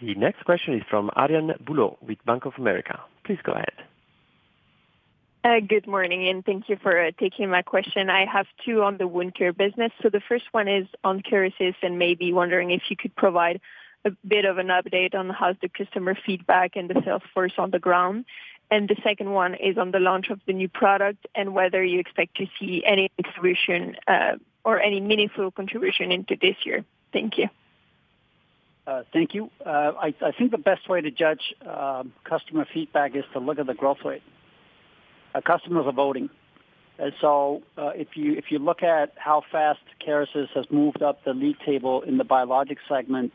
The next question is from Ariane Godoy with Bank of America. Please go ahead. Good morning, and thank you for taking my question. I have two on the wound care business. So the first one is on Kerecis, and maybe wondering if you could provide a bit of an update on how the customer feedback and the sales force on the ground. And the second one is on the launch of the new product and whether you expect to see any contribution, or any meaningful contribution into this year. Thank you. Thank you. I think the best way to judge customer feedback is to look at the growth rate. Our customers are voting. So, if you look at how fast Kerecis has moved up the lead table in the biologic segment,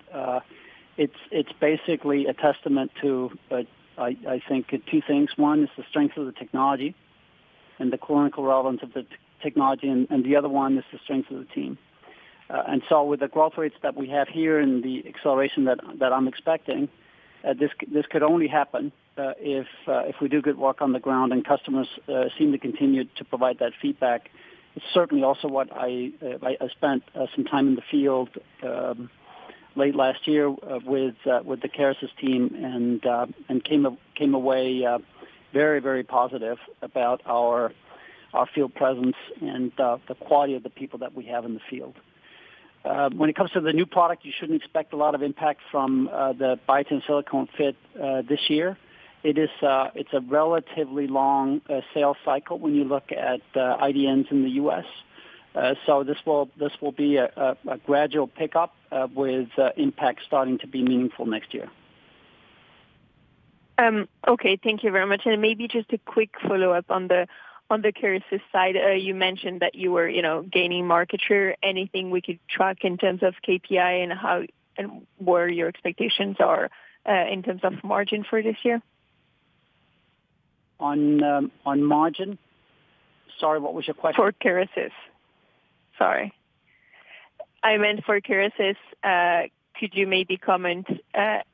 it's basically a testament to, I think, two things. One is the strength of the technology and the clinical relevance of the technology, and the other one is the strength of the team. So with the growth rates that we have here and the acceleration that I'm expecting, this could only happen if we do good work on the ground, and customers seem to continue to provide that feedback. It's certainly also what I spent some time in the field late last year with the Kerecis team, and came away very positive about our field presence and the quality of the people that we have in the field. When it comes to the new product, you shouldn't expect a lot of impact from the Biatain Silicone Fit this year. It is a relatively long sales cycle when you look at IDNs in the U.S. So this will be a gradual pickup with impact starting to be meaningful next year. Okay, thank you very much. And maybe just a quick follow-up on the Kerecis side. You mentioned that you were, you know, gaining market share. Anything we could track in terms of KPI and how and where your expectations are in terms of margin for this year? On, on margin? Sorry, what was your question? For Kerecis. Sorry. I meant for Kerecis, could you maybe comment,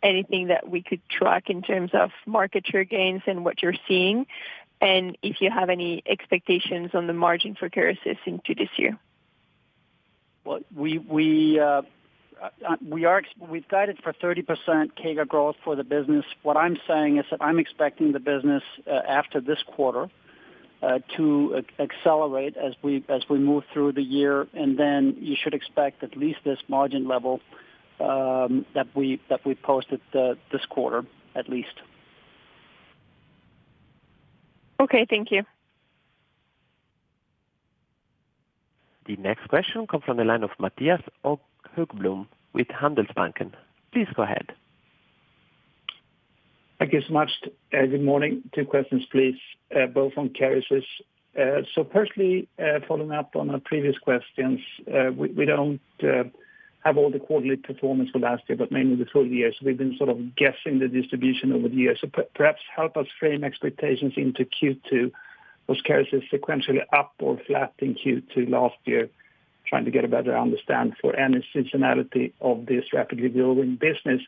anything that we could track in terms of market share gains and what you're seeing, and if you have any expectations on the margin for Kerecis into this year? Well, we've guided for 30% CAGR growth for the business. What I'm saying is that I'm expecting the business to accelerate as we move through the year, and then you should expect at least this margin level that we posted this quarter, at least. Okay, thank you. The next question comes from the line of Matthias Häggblom with Handelsbanken. Please go ahead. Thank you so much. Good morning. Two questions, please, both on Kerecis. So firstly, following up on our previous questions, we don't have all the quarterly performance for last year, but mainly the full year, so we've been sort of guessing the distribution over the years. So perhaps help us frame expectations into Q2. Was Kerecis sequentially up or flat in Q2 last year? Trying to get a better understand for any seasonality of this rapidly growing business.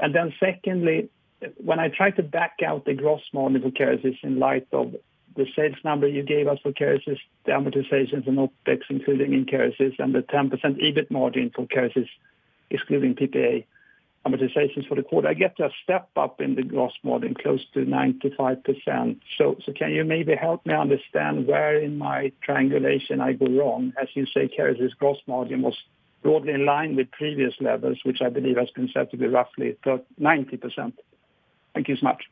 And then secondly, when I try to back out the gross margin for Kerecis in light of the sales number you gave us for Kerecis, the amortizations and OpEx, including in Kerecis, and the 10% EBIT margin for Kerecis, excluding PPA amortizations for the quarter, I get a step up in the gross margin, close to 95%. So, can you maybe help me understand where in my triangulation I go wrong? As you say, Kerecis' gross margin was broadly in line with previous levels, which I believe has been said to be roughly 90%. Thank you so much.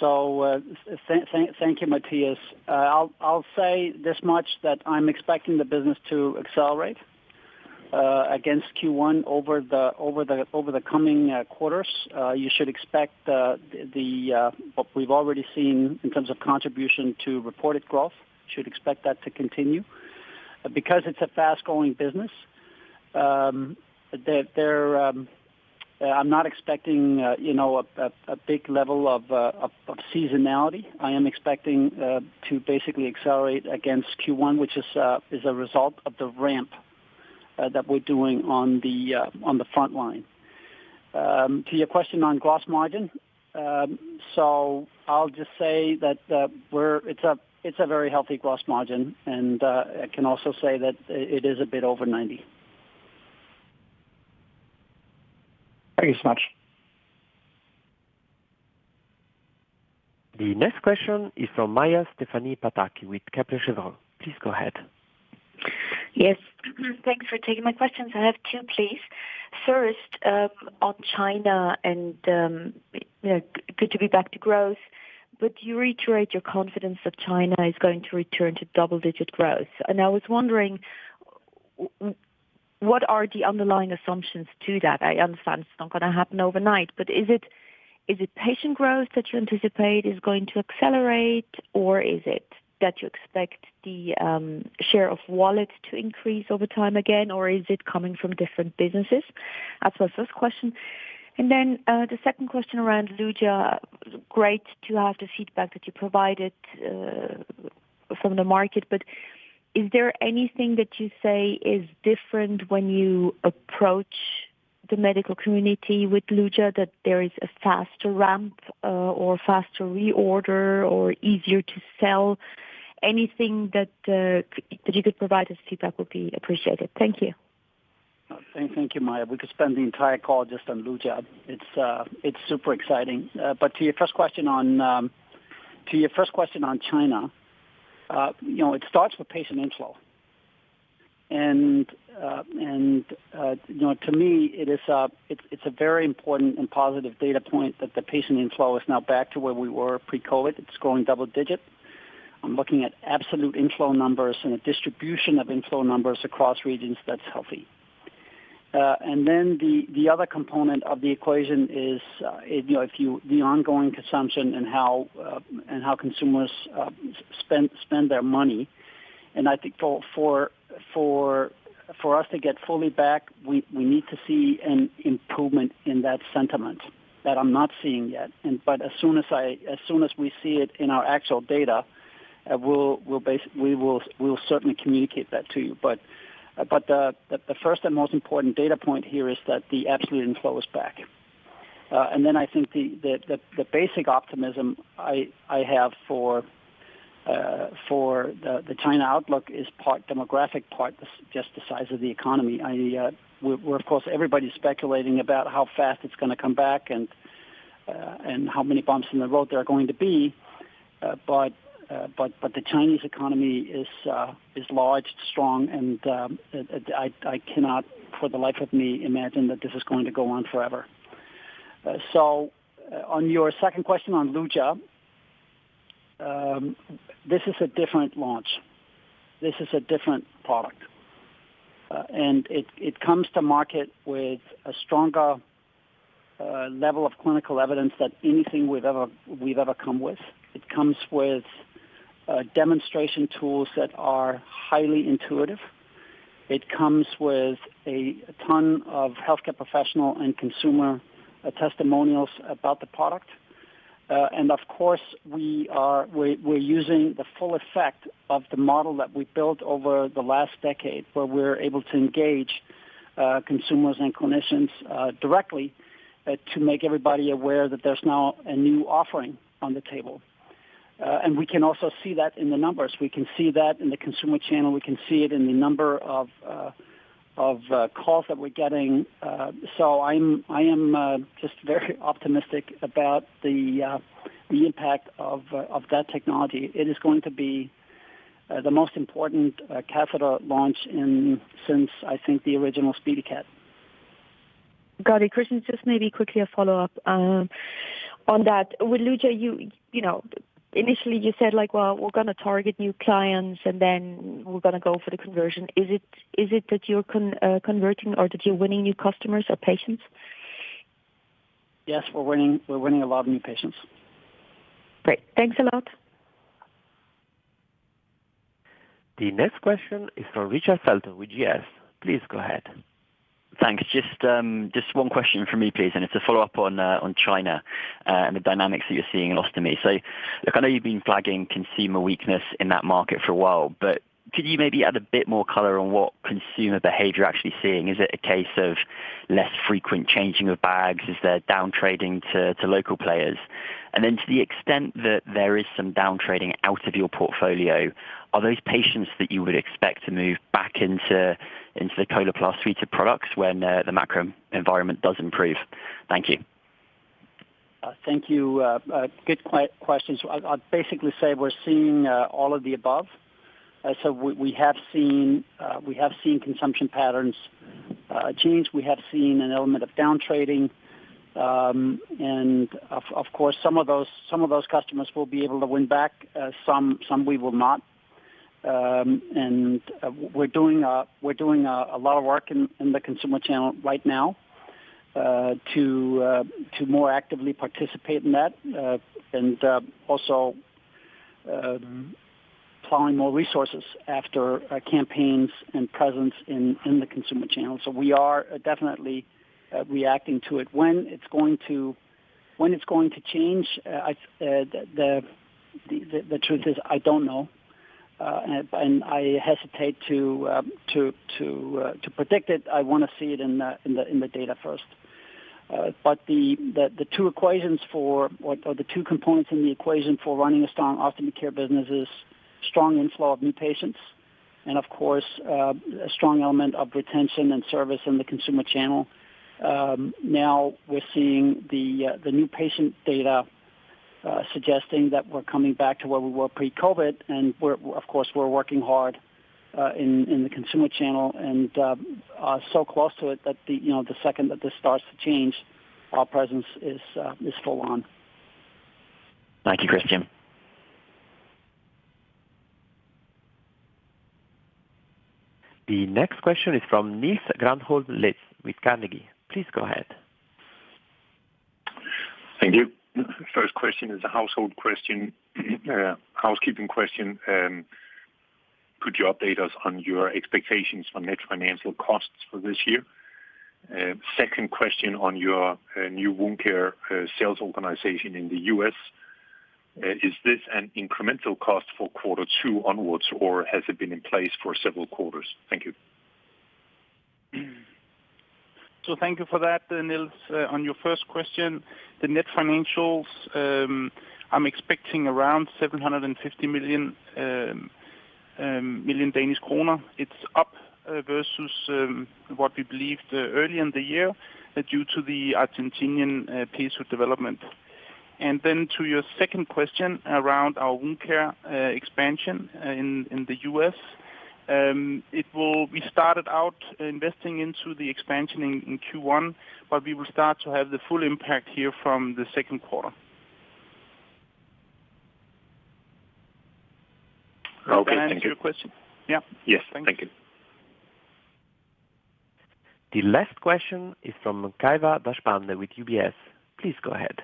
So, thank you, Matthias. I'll say this much, that I'm expecting the business to accelerate against Q1 over the coming quarters. You should expect what we've already seen in terms of contribution to reported growth to continue. Because it's a fast-growing business, there I'm not expecting, you know, a big level of seasonality. I am expecting to basically accelerate against Q1, which is a result of the ramp that we're doing on the front line. To your question on gross margin, so I'll just say that, we're—it's a very healthy gross margin, and I can also say that it is a bit over 90%. Thank you so much. The next question is from Maja Stephanie Pataki with Crédit Suisse. Please go ahead. Yes. Thanks for taking my questions. I have two, please. First, on China and, you know, good to be back to growth, would you reiterate your confidence that China is going to return to double-digit growth? And I was wondering, what are the underlying assumptions to that? I understand it's not going to happen overnight, but is it- ...Is it patient growth that you anticipate is going to accelerate, or is it that you expect the share of wallet to increase over time again, or is it coming from different businesses? That's my first question. And then, the second question around Luja. Great to have the feedback that you provided from the market, but is there anything that you say is different when you approach the medical community with Luja, that there is a faster ramp or faster reorder or easier to sell? Anything that you could provide as feedback would be appreciated. Thank you. Thank you, Maja. We could spend the entire call just on Luja. It's super exciting. But to your first question on, to your first question on China, you know, it starts with patient inflow. And, and, you know, to me, it is, it's a very important and positive data point that the patient inflow is now back to where we were pre-COVID. It's growing double digit. I'm looking at absolute inflow numbers and the distribution of inflow numbers across regions. That's healthy. And then the, the other component of the equation is, you know, if you-- the ongoing consumption and how, and how consumers, spend their money. And I think for us to get fully back, we need to see an improvement in that sentiment that I'm not seeing yet. But as soon as we see it in our actual data, we will certainly communicate that to you. But the first and most important data point here is that the absolute inflow is back. And then I think the basic optimism I have for the China outlook is part demographic, part just the size of the economy. We're, of course, everybody's speculating about how fast it's going to come back and how many bumps in the road there are going to be. But the Chinese economy is large, strong, and I cannot for the life of me imagine that this is going to go on forever. So on your second question on Luja, this is a different launch. This is a different product, and it comes to market with a stronger level of clinical evidence than anything we've ever come with. It comes with demonstration tools that are highly intuitive. It comes with a ton of healthcare professional and consumer testimonials about the product. And of course, we're using the full effect of the model that we built over the last decade, where we're able to engage consumers and clinicians directly to make everybody aware that there's now a new offering on the table. And we can also see that in the numbers. We can see that in the consumer channel. We can see it in the number of calls that we're getting. So I am just very optimistic about the impact of that technology. It is going to be the most important catheter launch since, I think, the original SpeediCath. Got it. Kristian, just maybe quickly a follow-up on that. With Luja, you know, initially you said, like, "Well, we're going to target new clients, and then we're going to go for the conversion." Is it that you're converting or that you're winning new customers or patients? Yes, we're winning, we're winning a lot of new patients. Great. Thanks a lot. The next question is from Richard Felton with GS. Please go ahead. Thanks. Just, just one question from me, please, and it's a follow-up on, on China, and the dynamics that you're seeing in ostomy. So, look, I know you've been flagging consumer weakness in that market for a while, but could you maybe add a bit more color on what consumer behavior you're actually seeing? Is it a case of less frequent changing of bags? Is there downtrading to, to local players? And then to the extent that there is some downtrading out of your portfolio, are those patients that you would expect to move back into, into the Coloplast suite of products when, the macro environment does improve? Thank you. Thank you. Good question. So I'll basically say we're seeing all of the above. So we have seen we have seen consumption patterns change. We have seen an element of downtrading. And of course, some of those customers we'll be able to win back, some we will not. And we're doing a lot of work in the consumer channel right now, to more actively participate in that. And also, plowing more resources after campaigns and presence in the consumer channel. So we are definitely reacting to it. When it's going to change, the truth is, I don't know. I hesitate to predict it. I want to see it in the data first. But the two components in the equation for running a strong ostomy care business is strong inflow of new patients and of course a strong element of retention and service in the consumer channel. Now we're seeing the new patient data suggesting that we're coming back to where we were pre-COVID, and we're of course working hard in the consumer channel and are so close to it that you know the second that this starts to change, our presence is full on. Thank you, Christian. ...The next question is from Niels Granholm-Leth with Carnegie. Please go ahead. Thank you. First question is a housekeeping question. Could you update us on your expectations on net financial costs for this year? Second question on your new wound care sales organization in the U.S. Is this an incremental cost for quarter two onwards, or has it been in place for several quarters? Thank you. So thank you for that, Niels. On your first question, the net financials, I'm expecting around 750 million million Danish kroner. It's up versus what we believed earlier in the year due to the Argentinian pace of development. And then to your second question around our wound care expansion in the U.S., it will. We started out investing into the expansion in Q1, but we will start to have the full impact here from the Q2. Okay. Thank you. Does that answer your question? Yeah. Yes. Thank you. The last question is from Kaiva Dashpande with UBS. Please go ahead.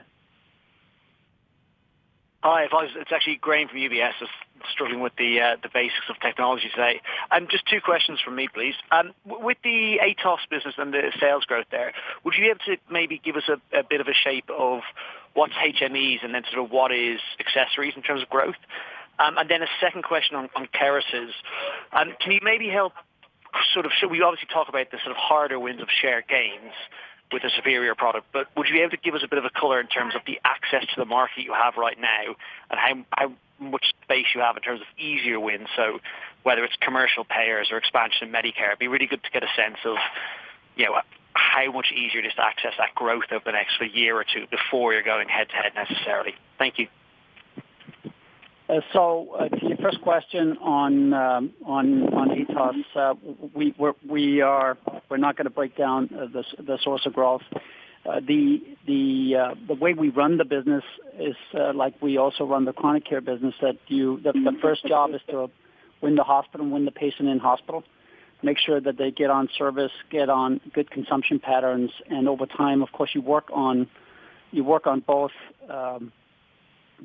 Hi, folks. It's actually Graham from UBS, just struggling with the basics of technology today. Just two questions from me, please. With the Atos business and the sales growth there, would you be able to maybe give us a bit of a shape of what's HMEs and then sort of what is accessories in terms of growth? And then a second question on Kerecis. Can you maybe help sort of... So we obviously talk about the sort of harder wins of share gains with a superior product, but would you be able to give us a bit of a color in terms of the access to the market you have right now and how much space you have in terms of easier wins? So whether it's commercial payers or expansion in Medicare, it'd be really good to get a sense of, you know, how much easier it is to access that growth over the next year or two before you're going head-to-head necessarily. Thank you. So, to your first question on Atos, we're not going to break down the source of growth. The way we run the business is like we also run the chronic care business. The first job is to win the hospital, win the patient in hospital, make sure that they get on service, get on good consumption patterns, and over time, of course, you work on both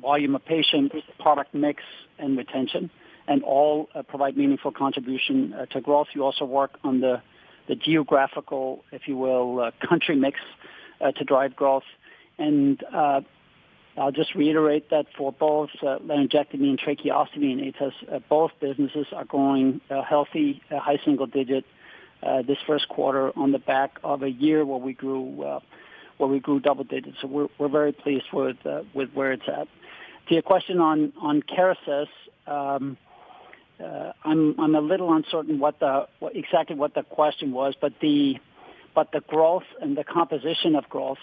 volume of patient, product mix, and retention, and all provide meaningful contribution to growth. You also work on the geographical, if you will, country mix to drive growth. I'll just reiterate that for both laryngectomy and tracheostomy in Atos, both businesses are growing healthy high single digit this Q1 on the back of a year where we grew double digits. So we're very pleased with where it's at. To your question on Kerecis, I'm a little uncertain what exactly the question was, but the growth and the composition of growth,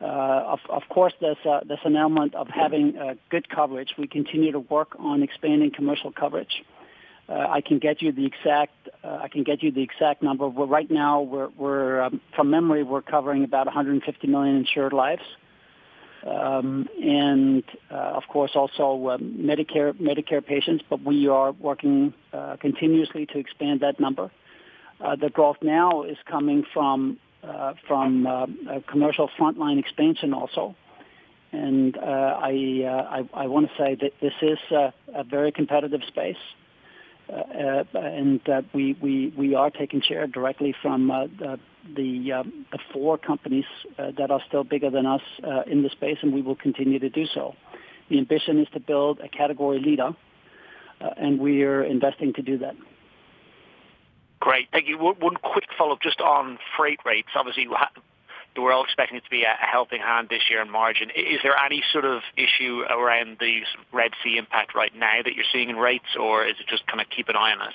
of course, there's an element of having good coverage. We continue to work on expanding commercial coverage. I can get you the exact number, but right now, from memory, we're covering about 150 million insured lives. Of course, also Medicare patients, but we are working continuously to expand that number. The growth now is coming from commercial frontline expansion also. And I want to say that this is a very competitive space, and that we are taking share directly from the four companies that are still bigger than us in this space, and we will continue to do so. The ambition is to build a category leader, and we are investing to do that. Great. Thank you. One quick follow-up just on freight rates. Obviously, we're all expecting it to be a helping hand this year in margin. Is there any sort of issue around the Red Sea impact right now that you're seeing in rates, or is it just kind of keep an eye on us?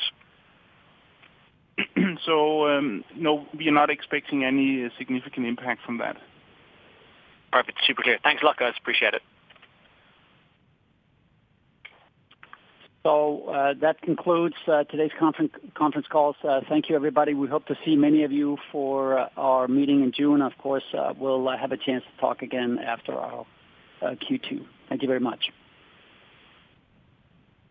No, we are not expecting any significant impact from that. Perfect. Super clear. Thanks a lot, guys. Appreciate it. So, that concludes today's conference call. So thank you, everybody. We hope to see many of you for our meeting in June. Of course, we'll have a chance to talk again after our Q2. Thank you very much.